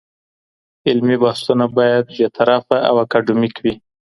علمي بحثونه بايد بېطرفه او اکاډمیک وي.